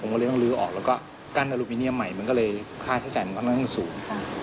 ก็เลยต้องลื้อออกแล้วก็กั้นอลูมิเนียมใหม่มันก็เลยค่าใช้จ่ายมันค่อนข้างสูง